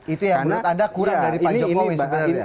itu yang menurut anda kurang dari pak jokowi sebenarnya